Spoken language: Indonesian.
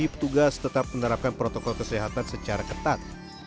petugas tetap menerapkan protokol kesehatan secara ketat